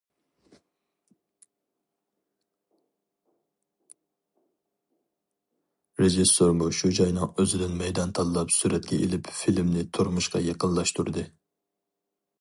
رېژىسسورمۇ شۇ جاينىڭ ئۆزىدىن مەيدان تاللاپ سۈرەتكە ئېلىپ، فىلىمنى تۇرمۇشقا يېقىنلاشتۇردى.